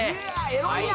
「エロいな？」